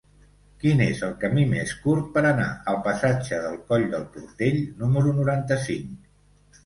Quin és el camí més curt per anar al passatge del Coll del Portell número noranta-cinc?